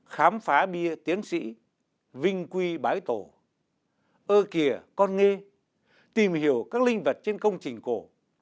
khám phá bia tiến sĩ vinh quy bái tổ ơ kìa con nghe tìm hiểu các linh vật trên công trình cổ